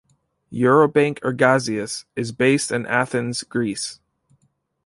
Eurobank Ergasias is based in Athens, Greece.